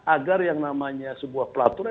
agar yang namanya sebuah peraturan